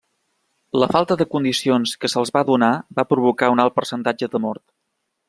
La falta de condicions que se'ls va donar va provocar un alt percentatge de mort.